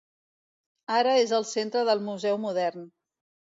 Ara és el centre del museu modern.